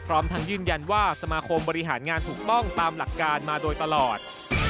พร้อมทั้งยืนยันว่าสมาคมบริหารงานถูกต้องตามหลักการมาโดยตลอด